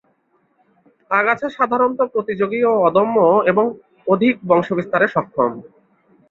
আগাছা সাধারণত প্রতিযোগী ও অদম্য এবং অধিক বংশবিস্তারে সক্ষম।